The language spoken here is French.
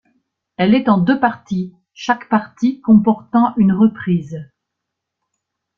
Elle est en deux parties, chaque partie comportant une reprise.